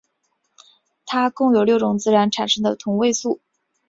它共有六种自然产生的同位素。